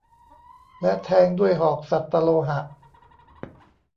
และแทงด้วยหอกสัตตโลหะ